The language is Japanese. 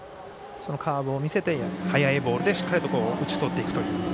そのカーブを見せて速いボールでしっかりと打ち取っていくという。